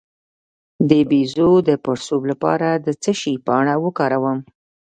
د بیضو د پړسوب لپاره د څه شي پاڼه وکاروم؟